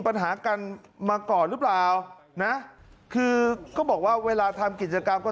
ปัญหากันมาก่อนหรือเปล่านะคือก็บอกว่าเวลาทำกิจกรรมก็